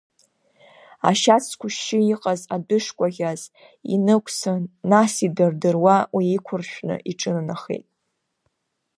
Ашьац зқәышьшьы иҟаз адәышкәаӷьаз инықәсын, нас идырдыруа уи иқәыршәны аҿынанахеит.